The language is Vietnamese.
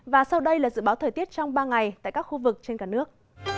và sau đây là dự báo thời tiết trong ba ngày tại các khu vực trên cả nước